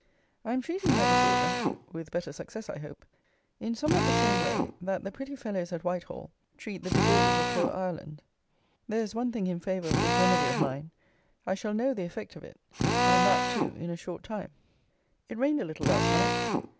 I am treating my disorder (with better success, I hope) in somewhat the same way that the pretty fellows at Whitehall treat the disorders of poor Ireland. There is one thing in favour of this remedy of mine, I shall know the effect of it, and that, too, in a short time. It rained a little last night.